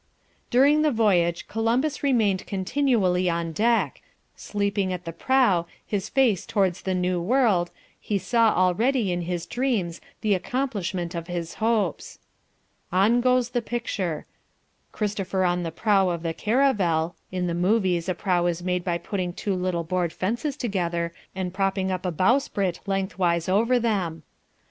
"During the voyage Columbus remained continually on deck. Sleeping at the prow, his face towards the new world, he saw already in his dreams the accomplishment of his hopes." On goes the picture. Christopher in the prow of the caravel (in the movies a prow is made by putting two little board fences together and propping up a bowsprit lengthwise over them).